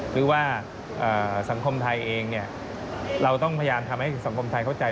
หรือว่าสังคมไทยเองเราต้องพยายามทำให้สังคมไทยเข้าใจ